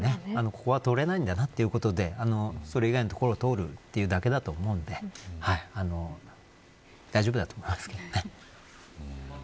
ここは通れないんだなということでそれ以外の所を通るというだけだと思うんで大丈夫だと思いますけどね。